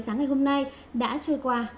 sáng ngày hôm nay đã trôi qua